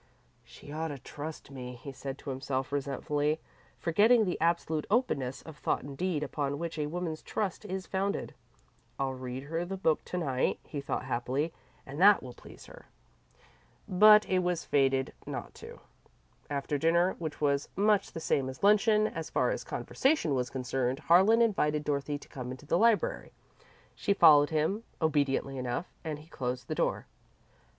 "She ought to trust me," he said to himself, resentfully, forgetting the absolute openness of thought and deed upon which a woman's trust is founded. "I'll read her the book to night," he thought, happily, "and that will please her." But it was fated not to. After dinner, which was much the same as luncheon, as far as conversation was concerned, Harlan invited Dorothy to come into the library. She followed him, obediently enough, and he closed the door.